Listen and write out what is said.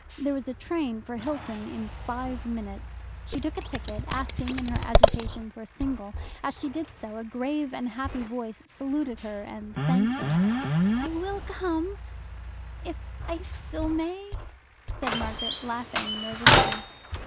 There was a train for Hilton in five minutes. She took a ticket, asking in her agitation for a single. As she did so, a grave and happy voice saluted her and thanked her. "I will come if I still may," said Margaret, laughing nervously.